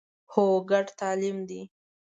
هو، ګډ تعلیم دی